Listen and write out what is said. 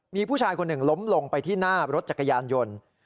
มีผู้ชายคนหนึ่งล้มลงไปที่หน้ารถจักรยานยนต์